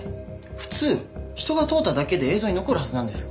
普通人が通っただけで映像に残るはずなんですが。